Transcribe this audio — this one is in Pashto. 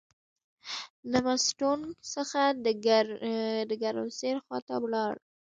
د مستونګ څخه د ګرمسیر خواته ولاړ.